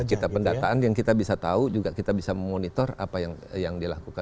kita pendataan yang kita bisa tahu juga kita bisa memonitor apa yang dilakukan